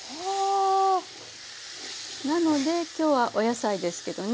なので今日はお野菜ですけどね